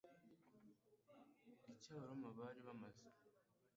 icya abaroma bari bamaze